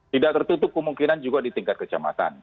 tidak tertutup kemungkinan juga di tingkat kecamatan